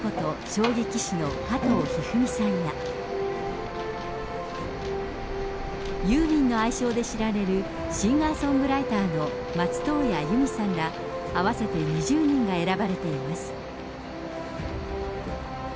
将棋棋士の加藤一二三さんや、ユーミンの愛称で知られる、シンガーソングライターの松任谷由実さんら合わせて２０人が選ばれています。